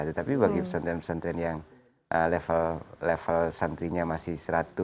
tetapi bagi pesantren pesantren yang level santrinya masih seratus